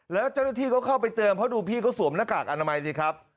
แล้วเจ้าหน้าที่ก็เข้าไปเตือนเพราะดูพี่ก็สวมหน้ากากอนามัยสิครับ